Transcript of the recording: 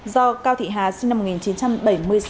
do cao thị hà sinh năm một nghìn chín trăm bảy mươi sáu